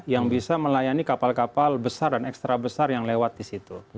yang bisa melayani kapal kapal besar dan ekstra besar yang lewat di situ